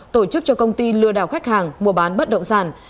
tổ chức cho công ty lừa đảo khách hàng mua bán bất động sản